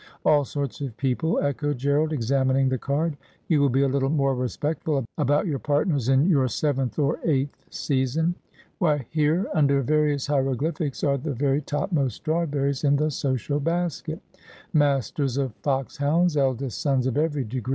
All sorts of people,' echoed Gerald, examining the card. ' You will be a little more respectful about your partners in your seventh or eighth season. Why, here, under various hieroglyphics, are the very topmost strawberries in the social basket — masters of foxhounds, eldest sons of every degree.